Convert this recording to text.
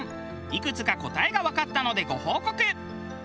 いくつか答えがわかったのでご報告。